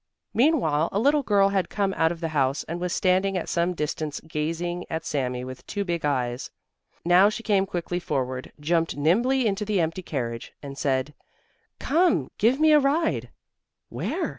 Meanwhile a little girl had come out of the house and was standing at some distance gazing at Sami with two big eyes. Now she came quickly forward, jumped nimbly into the empty carriage, and said: "Come, give me a ride!" "Where?"